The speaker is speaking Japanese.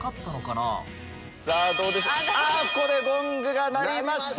ここでゴングが鳴りました。